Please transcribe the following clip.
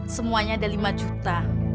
semuanya ada lima juta